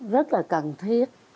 rất là cần thiết